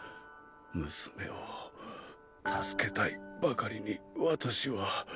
娘を助けたいばかりに私は。